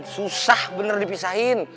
susah bener dipisahin